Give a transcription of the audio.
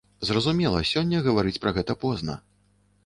Зразумела, сёння гаварыць пра гэта позна.